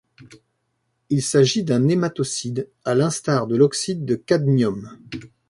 Il s'agit d'un nématocide, à l'instar de l'oxyde de cadmium.